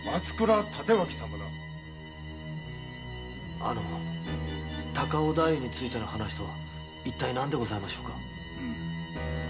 あの高尾太夫についての話とは一体何でございましょうか？